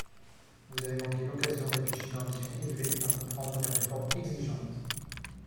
Vous avez manqué l’occasion d’afficher une ambition élevée et d’entreprendre des réformes exigeantes.